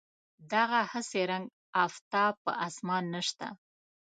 دغه هسې رنګ آفتاب په اسمان نشته.